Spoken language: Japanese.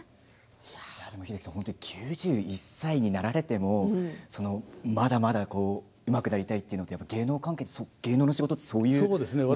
９１歳になられてもまだまだうまくなりたいというのは芸能関係、芸能の仕事ってそういうことなんですかね。